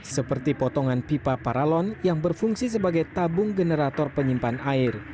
seperti potongan pipa paralon yang berfungsi sebagai tabung generator penyimpan air